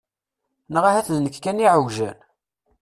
Neɣ ahat d nekk kan i iɛewjen?